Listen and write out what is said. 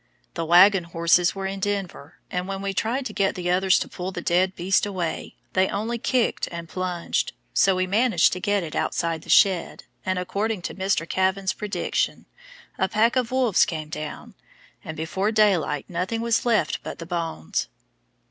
The wagon horses were in Denver, and when we tried to get the others to pull the dead beast away, they only kicked and plunged, so we managed to get it outside the shed, and according to Mr. Kavan's prediction, a pack of wolves came down, and before daylight nothing was left but the bones.